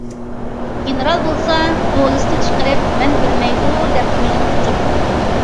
گېنېرال بولسا دولىسىنى چىقىرىپ:« مەن بىلمەيدۇ» دەپ ئۆزىنى قاچۇرۇپتۇ.